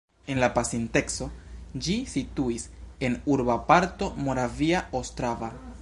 En la pasinteco ĝi situis en urba parto Moravia Ostrava.